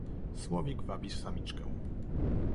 "„Słowik wabi samiczkę!"